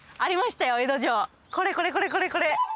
これこれこれこれこれ！